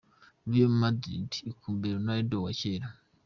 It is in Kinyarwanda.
Real Madrid ikumbuye Ronaldo wa kera.